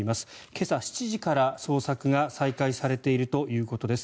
今朝７時から、捜索が再開されているということです。